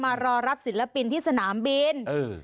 มารอรับศิลปินที่สนามบิน